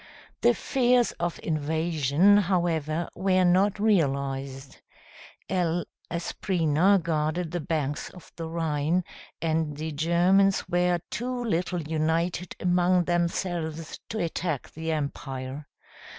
The fears of invasion, however, were not realized. L. Asprena guarded the banks of the Rhine, and the Germans were too little united among themselves to attack the Empire.